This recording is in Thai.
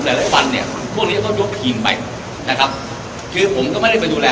หลายวันเนี้ยพวกนี้ก็ยกขีมไปนะครับคือผมก็ไม่ได้ไปดูแล